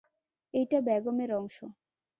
এইটা বেগমের অংশ।